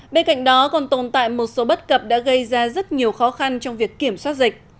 bên cạnh đó còn tồn tại một số bất cập đã gây ra rất nhiều khó khăn trong việc kiểm soát dịch